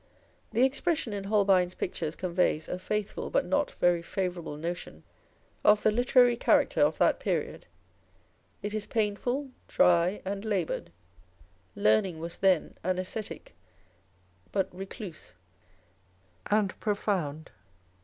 The expression in Holbein's pictures conveys a faithful but not very favourable notion of the literary character of that period. It is painful, dry, and laboured. Learning was then an ascetic, but recluse and profound.